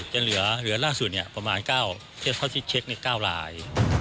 จะเหลือล่าสุดประมาณเท่าที่เช็คใน๙ลาย